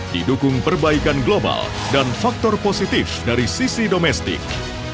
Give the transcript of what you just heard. didukung perbaikan global dan faktor positif dari sisi domestik